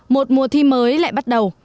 một mùa thi mới lại bắt đầu